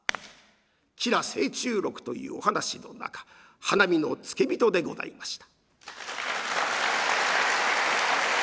「吉良誠忠録」というお話の中「花見の付け人」でございました。